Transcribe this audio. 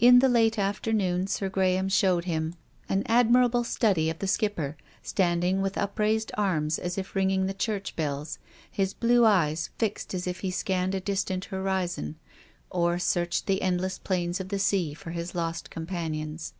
In the late afternoon Sir Graham showed him 88 TONGUES OF CONSCIENCE. an admirable study of the Skipper, standing with upraised arms as if ringing the church bells, his blue eyes fixed as if he scanned a distant horizon, or searched the endless plains of the sea for his lost companions.